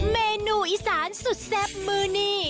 เมนูอีสานสุดแซ่บมือนี่